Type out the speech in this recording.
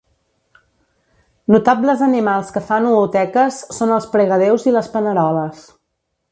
Notables animals que fan ooteques són els pregadéus i les paneroles.